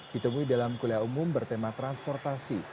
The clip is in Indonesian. ditemui dalam kuliah umum bertema transportasi